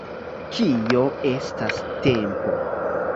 Kio estas tempo?